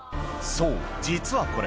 そう実はこれ